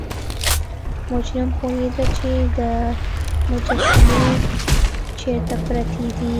مجرم پوهیده چې مجسمې چیرته پرتې دي.